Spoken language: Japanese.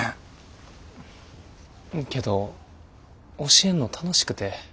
けど教えんの楽しくて。